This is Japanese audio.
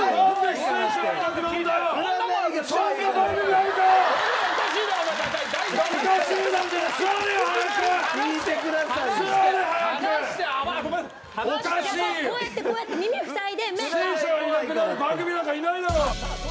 出演者がいなくなる番組なんかいないだろ！